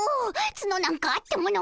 ツノなんかあってもの。